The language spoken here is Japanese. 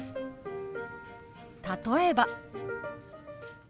例えば。